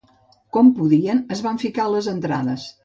Com podien es van ficar a les entrades